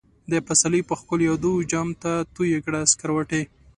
دپسرلی په ښکلو يادو، جام ته تويې کړه سکروټی